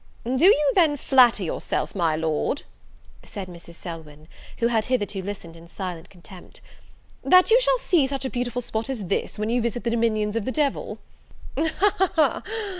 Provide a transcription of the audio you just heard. "Do you, then, flatter yourself, my Lord," said Mrs. Selwyn, who had hitherto listened in silent contempt, "that you shall see such a beautiful spot as this, when you visit the dominions of the devil?" "Ha, ha, ha!